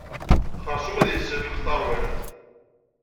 Xersum ad yesselḥeq tarwiḥt.